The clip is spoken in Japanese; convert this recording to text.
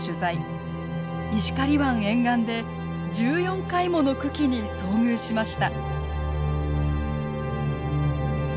石狩湾沿岸で１４回もの群来に遭遇しました。